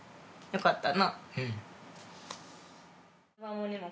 よかった。